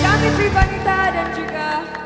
kami trivanita dan juga